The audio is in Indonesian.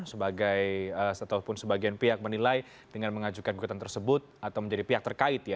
sebagai ataupun sebagian pihak menilai dengan mengajukan gugatan tersebut atau menjadi pihak terkait ya